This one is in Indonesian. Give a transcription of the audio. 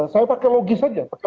saya pakai logis saja